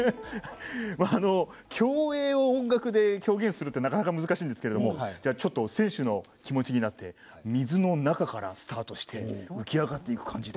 競泳を音楽で表現するってなかなか難しいんですけど選手の気持ちになって水の中からスタートして浮き上がっていく感じで。